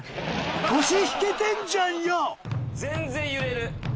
腰引けてんじゃんよ全然揺れる。